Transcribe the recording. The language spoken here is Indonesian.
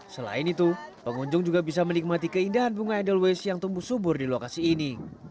selain itu pengunjung juga bisa menikmati keindahan bunga edelweiss yang tumbuh subur di lokasi ini